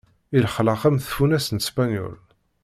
Illexlex am tfunast n ṣpenyul.